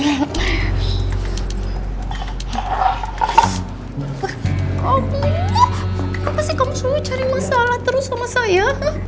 kamu kenapa sih kamu selalu cari masalah terus sama saya